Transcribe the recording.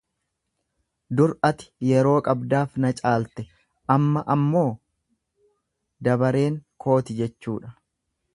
Dur ati yeroo qabdaaf na caalte amma ammoo dabareen kooti jechuudha.